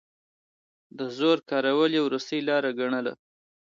د زور کارول يې وروستۍ لاره ګڼله.